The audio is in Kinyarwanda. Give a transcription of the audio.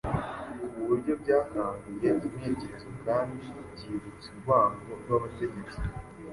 ku buryo byakanguye intekerezo kandi bibyutsa urwango rw’abategetsi.